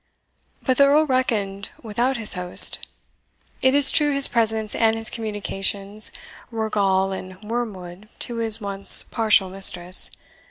But the Earl reckoned without his host. It is true his presence and his communications were gall and wormwood to his once partial mistress.